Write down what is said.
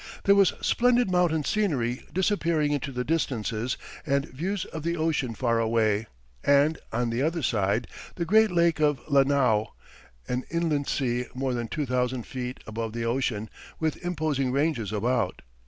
There was splendid mountain scenery disappearing into the distances, and views of the ocean far away, and, on the other side, the great lake of Lanao, an inland sea more than two thousand feet above the ocean, with imposing ranges about.